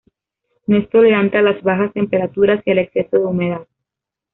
No es tolerante a las bajas temperaturas y al exceso de humedad.